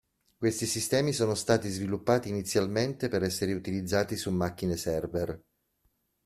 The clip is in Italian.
Questi sistemi sono stati sviluppati inizialmente per essere utilizzati su macchine server.